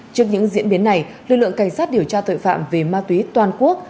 trước những diễn biến này lực lượng cảnh sát điều tra tội phạm về ma túy toàn quốc